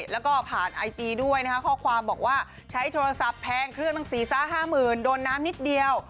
แล้วก็ผ่านไอจีด้วยนะคะข้อความบอกว่าใช้โทรศัพท์แพงเครื่องตั้ง๔๕๐๐๐โดนน้ำนิดเดียว